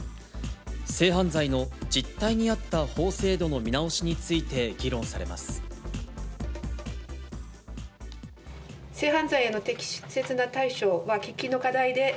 性犯罪の実態に合った法制度の見直しについて議論されます。